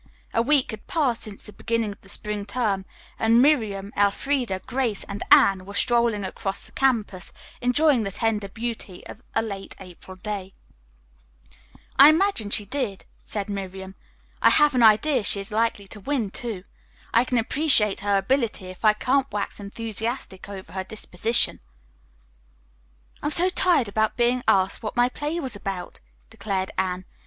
A week had passed since the beginning of the spring term, and Miriam, Elfreda, Grace and Anne were strolling across the campus enjoying the tender beauty of a late April day. [Illustration: The Four Friends Were Strolling Across the Campus.] "I imagine she did," said Miriam. "I have an idea she is likely to win, too. I can appreciate her ability if I can't wax enthusiastic over her disposition." "I am so tired of being asked what my play was about," declared Anne.